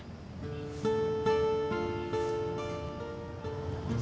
seperti di jalan tol menjelang lebarat